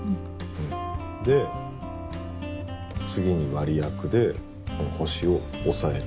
で次に割薬でこの星を押さえる。